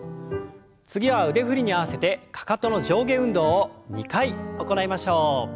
次は腕振りに合わせてかかとの上下運動を２回行いましょう。